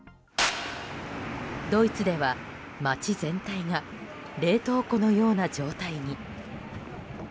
ドイツでは街全体が冷凍庫のような状態に。